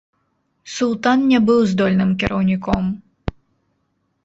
Султан не быў здольным кіраўніком.